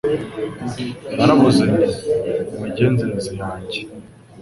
Naravuze nti Mu migenzereze yanjye